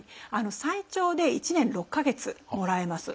最長で１年６か月もらえます。